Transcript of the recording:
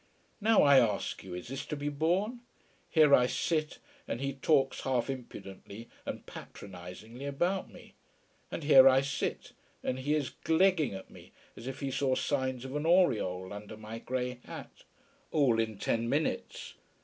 Now I ask you, is this to be borne? Here I sit, and he talks half impudently and patronisingly about me. And here I sit, and he is glegging at me as if he saw signs of an aureole under my grey hat. All in ten minutes.